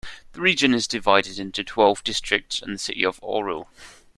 The region is divided into twelve districts and the city of Oral.